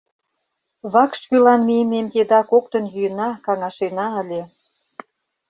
Вакш кӱлан мийымем еда коктын йӱына, каҥашена ыле.